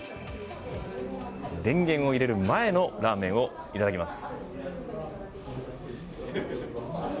電源を入れる前のラーメンをいただきます。